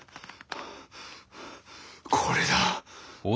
これだ！